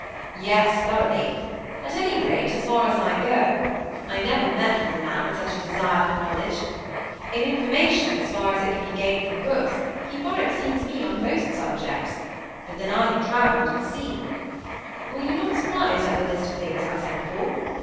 "Yes, thoroughly; at any rate as far as I go. I never met with a man with such a desire for knowledge. In information, as far as it can be gained from books, he far exceeds me on most subjects; but then I have travelled and seen—Were not you surprised at the list of things I sent for?"